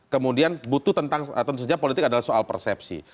kemudian butuh tentang tentu saja politik adalah soal persepsi